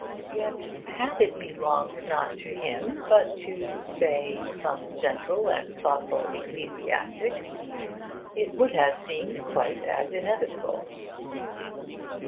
Yet had it belonged not to him, but to (say) some gentle and thoughtful ecclesiastic, it would have seemed quite as inevitable.